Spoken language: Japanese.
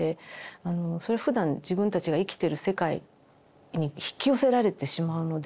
それはふだん自分たちが生きてる世界に引き寄せられてしまうので。